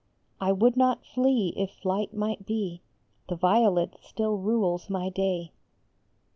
I would not flee if flight might be ; The violet still rules my day.